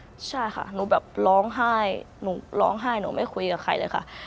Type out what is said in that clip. ใช่ค่ะหนูแบบร้องไห้หนูร้องไห้หนูไม่คุยกับใครเลยค่ะ